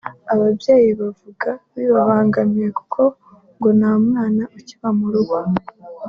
ababyeyi bavuga bibabangamira kuko ngo nta mwana ukiba mu rugo